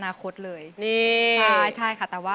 อายุ๒๔ปีวันนี้บุ๋มนะคะ